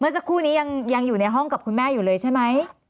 สักครู่นี้ยังอยู่ในห้องกับคุณแม่อยู่เลยใช่ไหม